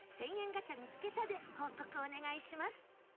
ガチャ見つけた」で報告お願いします。